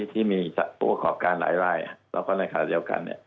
ที่มีตัวขอบการไหลลายละกันแต่ว่าในฐานะเดี่ยวกัน